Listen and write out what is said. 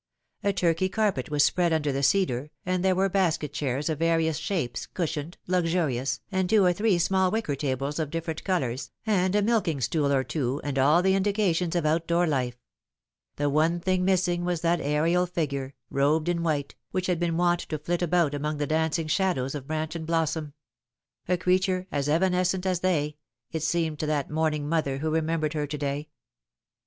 A Turkey carpet was spread under the cedar, and there were basket chairs of various shapes, cushioned, luxurious, and two or three small wicker tables of different colours, and a milking stool or two, and all the indications of outdoor life. The one thing missing was that aerial figure, robed in white, which had been wont to flit about among the dancing shadows of branch and blossom a creature as evanescent as they, it seemed to that mourning mother who remembered her to day.